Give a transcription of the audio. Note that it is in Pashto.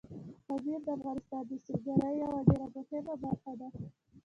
پامیر د افغانستان د سیلګرۍ یوه ډېره مهمه برخه ده.